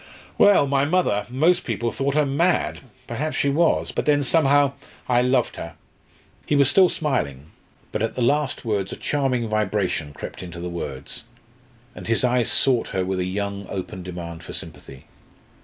Well my mother most people thought her mad perhaps she was but then somehow I loved her!" He was still smiling, but at the last words a charming vibration crept into the words, and his eyes sought her with a young open demand for sympathy.